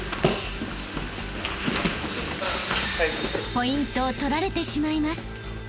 ［ポイントを取られてしまいます］